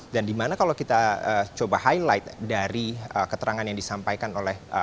dan di mana kalau kita coba highlight dari keterangan yang disampaikan oleh